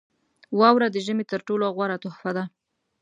• واوره د ژمي تر ټولو غوره تحفه ده.